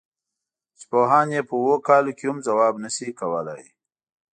چې پوهان یې په اوو کالو کې هم ځواب نه شي کولای.